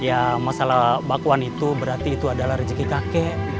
ya masalah bakwan itu berarti itu adalah rezeki kakek